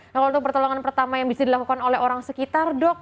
nah kalau untuk pertolongan pertama yang bisa dilakukan oleh orang sekitar dok